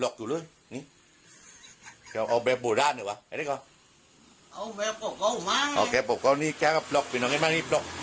กินใส่พรกภรงพรกภรงพรก